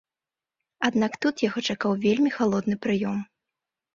Аднак тут яго чакаў вельмі халодны прыём.